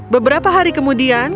beberapa hari kemudian